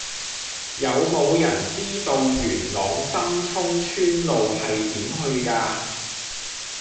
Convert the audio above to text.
有無人知道元朗深涌村路係點去㗎